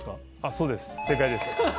そうです正解です。